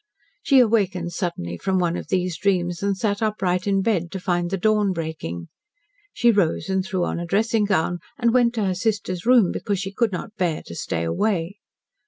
She awakened suddenly from one of these dreams, and sat upright in bed to find the dawn breaking. She rose and threw on a dressing gown, and went to her sister's room because she could not bear to stay away.